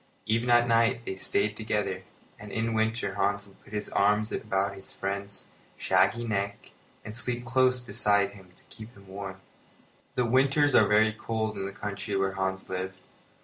Even at night they stayed together; and in the winter Hans would put his arms about his friend's shaggy neck and sleep close beside him to keep warm. The winters are very cold in the country where Hans lived.